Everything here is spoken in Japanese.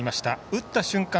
打った瞬間